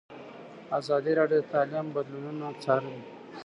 ازادي راډیو د تعلیم بدلونونه څارلي.